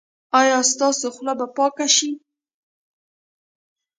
ایا ستاسو خوله به پاکه شي؟